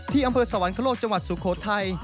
อำเภอสวรรคโลกจังหวัดสุโขทัย